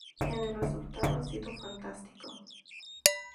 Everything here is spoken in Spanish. El resultado ha sido fantástico.